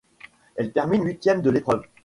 Elle termine huitième de l'épreuve.